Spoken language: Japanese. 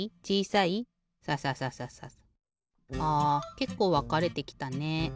けっこうわかれてきたね。